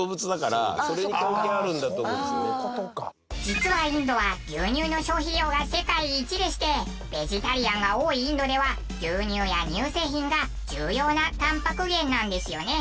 実はインドは牛乳の消費量が世界一でしてベジタリアンが多いインドでは牛乳や乳製品が重要なタンパク源なんですよね。